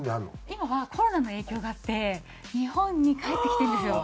今はコロナの影響があって日本に帰ってきてるんですよ。